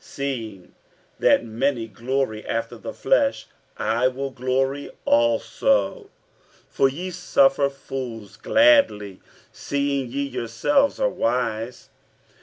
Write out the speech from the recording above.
47:011:018 Seeing that many glory after the flesh, I will glory also. 47:011:019 For ye suffer fools gladly, seeing ye yourselves are wise.